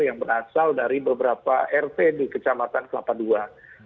yang berasal dari beberapa rt di kecamatan kelapa ii